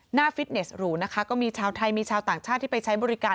ฟิตเนสหรูนะคะก็มีชาวไทยมีชาวต่างชาติที่ไปใช้บริการ